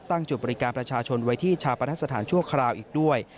จุดบริการประชาชนไว้ที่ชาปนสถานชั่วคราวอีกด้วย